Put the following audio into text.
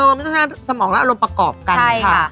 เออไม่ใช้แต่สมองและอารมณ์ประกอบกันค่ะ